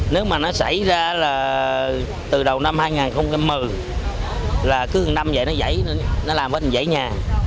nếu mà nó xảy ra là từ đầu năm hai nghìn một mươi là cứ một năm vậy nó giảy nó làm hết một giảy nhà